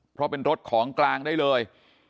เพราะเป็นรถของกลางได้เลย